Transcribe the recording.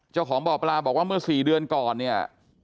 เจ้าของบ่อปลาบอกว่าเมื่อ๔เดือนก่อนเนี่ย